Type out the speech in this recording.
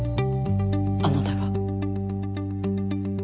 あなたが。